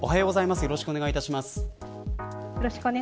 よろしくお願いします。